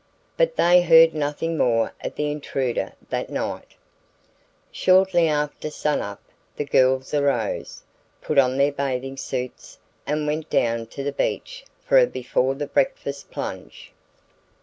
But they heard nothing more of the intruder that night. Shortly after sunup, the girls arose, put on their bathing suits, and went down to the beach for a before breakfast plunge.